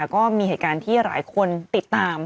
ก็มีเหตุการณ์ที่หลายคนติดตาม